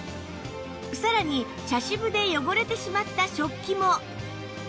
さらに茶渋で汚れてしまった食器も